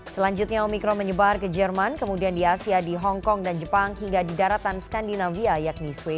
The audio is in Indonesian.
selanjutnya omikron menyebar ke jerman kemudian di asia di hongkong dan jepang hingga di daratan skandinavia yakni swee